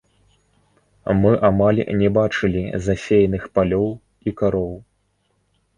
Мы амаль не бачылі засеяных палёў і кароў.